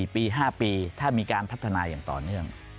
๔ปี๕ปีถ้ามีการพัฒนาอย่างต่อเนื่อง